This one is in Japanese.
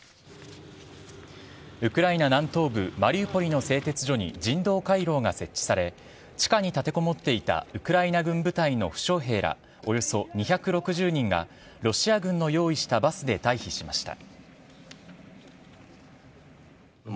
ウクライナ南東部、マリウポリの製鉄所に人道回廊が設置され、地下に立てこもっていたウクライナ軍部隊の負傷兵らおよそ２６０人が、ロシア軍の用意したバスで退避しました。